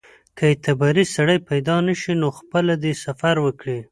که اعتباري سړی پیدا نه شي نو پخپله دې سفر وکړي.